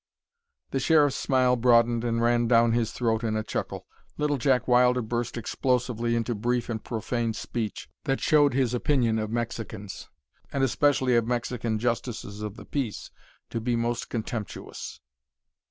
The Sheriff's smile broadened and ran down his throat in a chuckle. Little Jack Wilder burst explosively into brief and profane speech that showed his opinion of Mexicans, and especially of Mexican justices of the peace, to be most contemptuous.